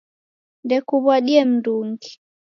Ndukuw'adie mndungi